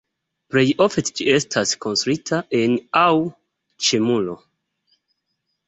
Plej ofte ĝi estas konstruita en aŭ ĉe muro.